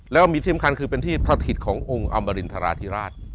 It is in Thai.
แล้วมีที่สำคัญคือเป็นที่สถิตขององค์อมรินทราธิราช